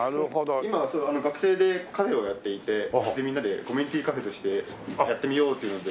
今ちょうど学生でカフェをやっていてみんなでコミュニティカフェとしてやってみようというので。